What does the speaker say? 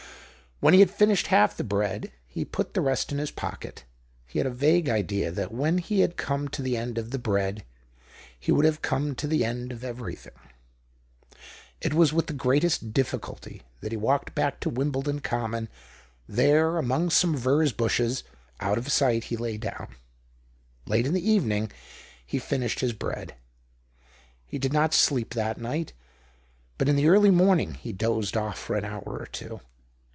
Wlien he had finished half the bread, he put the rest in his pocket. He had a vague idea that when he had come to the end of the bread, he would have come to the end of everything. It was with the greatest difficulty that he walked back to Wimbledon Common. There, among some furze bushes, out of sight, he lay down. Late in the evening he finished THE OCTAVE OF CLAUDIUS. 03 his bread. He did not sleep that night, but in the early morning he dozed otF for an hour or two.